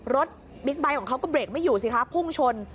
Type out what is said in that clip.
บิ๊กไบท์ของเขาก็เบรกไม่อยู่สิคะพุ่งชน